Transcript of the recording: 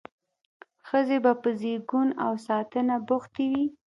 ښځې به په زیږون او ساتنه بوختې وې.